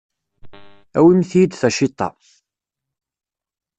Awimt-iyi-d taciṭa.